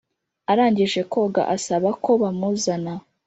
arangije koga asabako bamuzana